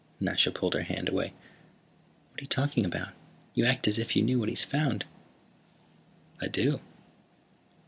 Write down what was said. Nasha pulled her hand away. "What are you talking about? You act as if you knew what he's found." "I do."